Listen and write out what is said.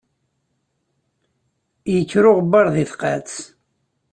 Yekker uɣebbaṛ di tqaɛet.